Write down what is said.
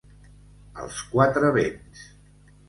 Als quatre vents.